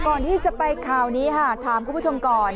ก่อนที่จะไปข่าวนี้ค่ะถามคุณผู้ชมก่อน